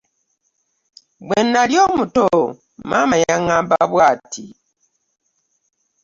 Bwe nnali omuto maama yaŋŋamba bw'ati.